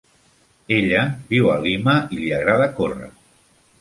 Ella viu a Lima i li agrada córrer.